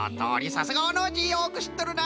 さすがはノージーよくしっとるな。